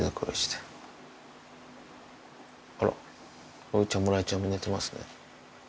あら風ちゃんも雷ちゃんも寝てますね。